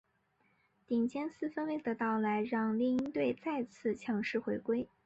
顶尖四分卫的到来让猎鹰队再次强势回归。